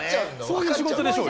そういう仕事でしょうよ。